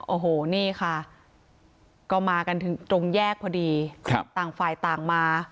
โอ้โหนี่ค่ะก็มากันถึงตรงแยกพอดีครับต่างฝ่ายต่างมา